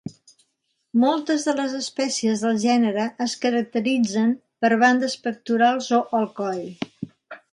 Moltes de les espècies del gènere es caracteritzen per bandes pectorals o al coll.